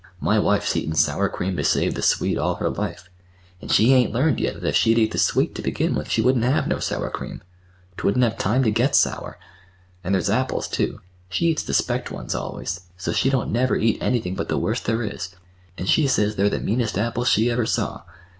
"My wife's eaten sour cream to save the sweet all her life, an' she hain't learned yet that if she'd eat the sweet to begin with she wouldn't have no sour cream—'twouldn't have time to get sour. An' there's apples, too. She eats the specked ones always; so she don't never eat anything but the worst there is. An' she says they're the meanest apples she ever saw.